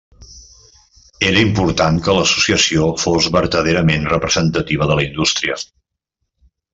Era important que l'Associació fos vertaderament representativa de la indústria.